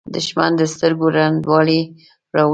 • دښمني د سترګو ړندوالی راولي.